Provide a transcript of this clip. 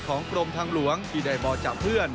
ของกรมทางหลวงที่ได้บอลจับเพื่อน